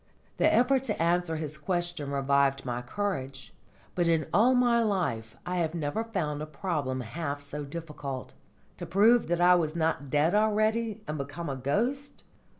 The effort to answer his question revived my courage. But in all my life I have never found a problem half so difficult. To prove that I was not dead already and become a ghost!